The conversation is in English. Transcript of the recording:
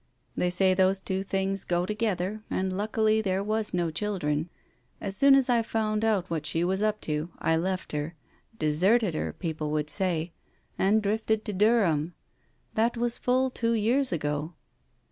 They say those two things go together, and luckily there were no children. As soon as I found out what she was up to, I left her, deserted her, people would say, and drifted to Durham. That was full two years ago.